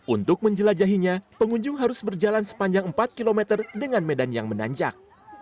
untuk menjelajahinya pengunjung harus berjalan sepanjang empat km dengan medan yang menanjak